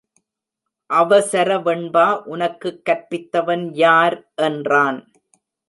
அவசர வெண்பா உனக்குக் கற்பித்தவன் யார் என்றான்.